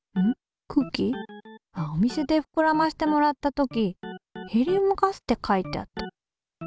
お店でふくらませてもらった時「ヘリウムガス」って書いてあった。